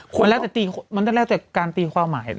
มันแล้วแต่การตีความหมาย